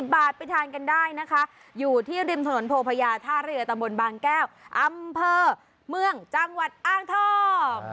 บาทไปทานกันได้นะคะอยู่ที่ริมถนนโพพญาท่าเรือตำบลบางแก้วอำเภอเมืองจังหวัดอ้างทอง